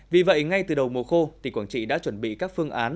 vì vậy ngay từ đầu mùa khô tỉnh quảng trị đã chuẩn bị các phương án